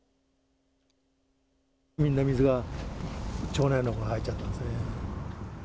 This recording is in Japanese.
みんな水が町内のほうに入っちゃったんですよね。